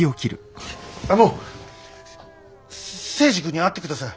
あの征二君に会ってください。